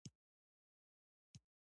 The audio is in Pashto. ما وکتل چې هغه په خپل ټکټر کار کوي